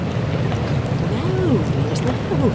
said Venus. 'No, Venus, no.